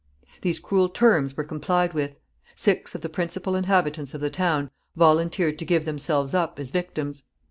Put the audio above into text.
These cruel terms were complied with. Six of the principal inhabitants of the town volunteered to give themselves up as victims.